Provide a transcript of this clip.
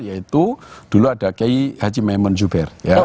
yaitu dulu ada kayi haji maimon juber